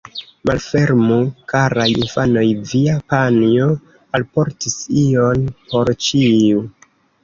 Malfermu, karaj infanoj, via panjo alportis ion por ĉiu.